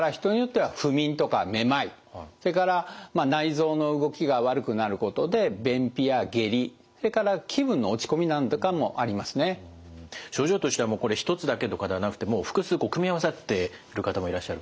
それから内臓の動きが悪くなることで症状としては一つだけとかではなくて複数組み合わさってる方もいらっしゃる？